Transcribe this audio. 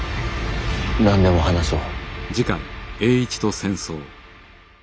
何でも話そう。